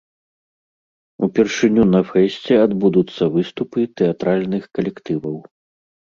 Упершыню на фэсце адбудуцца выступы тэатральных калектываў.